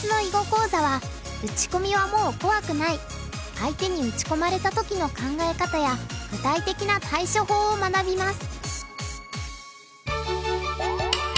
相手に打ち込まれた時の考え方や具体的な対処法を学びます。